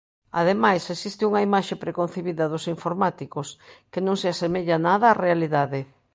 Ademais, existe unha imaxe preconcibida dos informáticos que non se asemella nada á realidade.